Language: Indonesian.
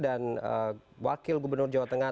dan wakil gubernur jawa tengah